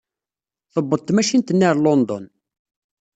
Tewweḍ tmacint-nni ar Lundun.